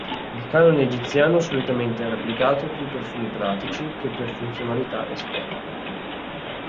Il canone egiziano solitamente era applicato più per fini pratici che per funzionalità estetiche.